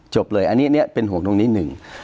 จบเลยอันเนี้ยเป็นหลวงหนึ่ง